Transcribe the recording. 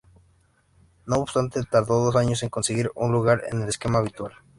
No obstante, tardó dos años en conseguir un lugar en el esquema habitual.